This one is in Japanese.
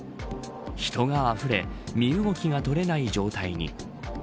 人があふれ身動きが取れない状態に。